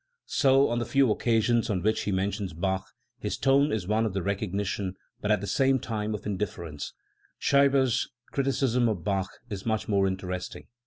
So on the few occasions on which he mentions Bach, his tone is one of recognition but at the same time of indifference, Scheibe's criticism of Bach is much more interesting.